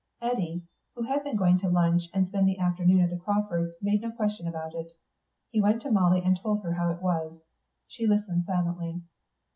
Eddy, who had been going to lunch and spend the afternoon at the Crawfords', made no question about it. He went to Molly and told her how it was. She listened silently.